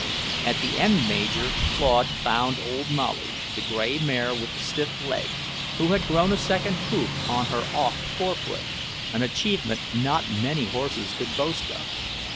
At the end manger Claude found old Molly, the grey mare with the stiff leg, who had grown a second hoof on her off forefoot, an achievement not many horses could boast of.